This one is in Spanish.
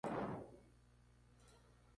Los arcos son estrechos.